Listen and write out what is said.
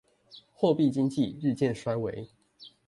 貨幣經濟日漸衰微